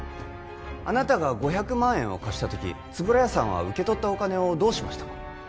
あなたが５００万円を貸した時円谷さんは受け取ったお金をどうしましたか？